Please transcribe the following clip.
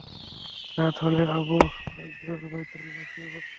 রাত হলে আবু যর বাইতুল্লায় শুয়ে পড়লেন।